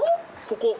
ここ。